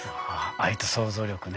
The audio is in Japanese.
愛と想像力ね。